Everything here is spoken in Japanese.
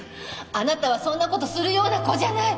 あなたはそんな事するような子じゃない！